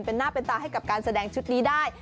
เป็นหน้าเป็นตาให้กับการแสดงชุดนี้ได้